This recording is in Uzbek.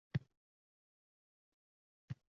Ichimda titraydi zaminlar.